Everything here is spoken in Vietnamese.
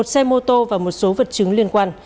một xe mô tô và một số vật chứng liên quan